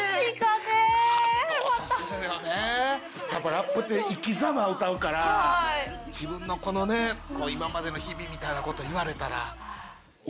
ラップって生き様歌うから自分のこのね今までの日々みたいな事言われたら。